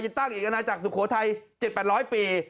ตั้งเอกณาจักรสุโขทัย๗๘๐๐ปี